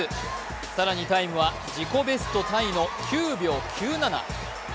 更にタイムは自己ベストタイの９秒９７。